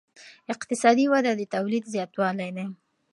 اقتصادي وده د تولید زیاتوالی دی.